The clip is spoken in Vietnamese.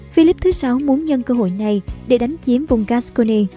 philip vi muốn nhân cơ hội này để đánh chiếm vùng gascony